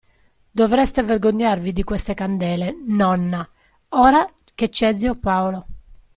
Dovreste vergognarvi di queste candele, nonna, ora che c'è zio Paolo.